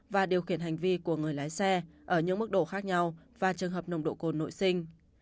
và điều khiển hành vi của người lái xe ở những mức độ khác nhau và trường hợp nồng độ cồn nội sinh